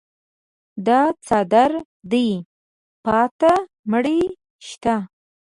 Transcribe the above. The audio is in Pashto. دا څادر دې پاته مړی شته.